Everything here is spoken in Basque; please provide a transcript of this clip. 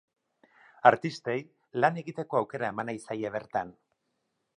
Artistei lan egiteko aukera eman nahi zaie bertan.